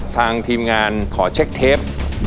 ทางทีมงานขอเช็คเทป